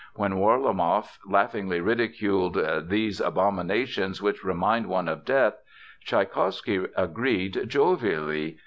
When Warlamoff laughingly ridiculed "these abominations which remind one of death," Tschaikowsky agreed jovially.